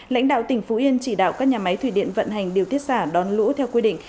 lãnh đạo tỉnh phú yên chỉ đạo các nhà máy thủy điện vận hành điều tiết xả đón lũ theo quy định